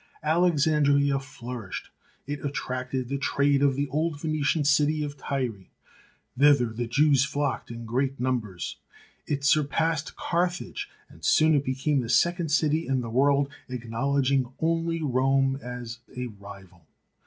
Alexandria flourished. It attracted the trade of the old Phoenician city of Tyre. Thither the Jews flocked in great numbers. It surpassed Carthage, and soon it became the second city in the world, acknowledging only Rome as a rival.